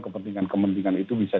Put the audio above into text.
kepentingan kepentingan itu bisa